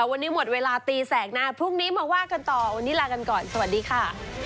วันนี้หมดเวลาตีแสกหน้าพรุ่งนี้มาว่ากันต่อวันนี้ลากันก่อนสวัสดีค่ะ